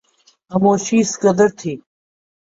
خاموشی اس قدر تھی